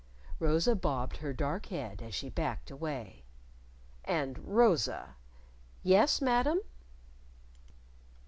Rosa bobbed her dark head as she backed away. "And, Rosa " "Yes, Madam?"